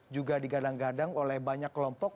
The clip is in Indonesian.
juga digadang gadang oleh banyak kelompok